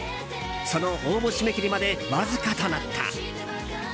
その応募締め切りまでわずかとなった。